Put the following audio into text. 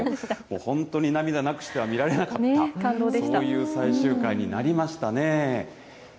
本当に涙なくしては見られなかった、そういう最終回になりましたね。